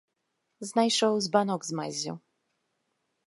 Знайшоў збанок з маззю.